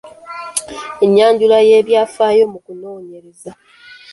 Ennyanjula n’ebyafaayo mu kunoonyereza.